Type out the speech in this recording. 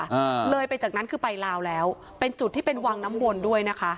อ่าเลยไปจากนั้นคือไปลาวแล้วเป็นจุดที่เป็นวังน้ำวนด้วยนะคะ